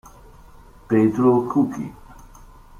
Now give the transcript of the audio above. Petru Kuki